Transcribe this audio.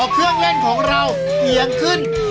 เครื่องเล่นของเราเอียงขึ้น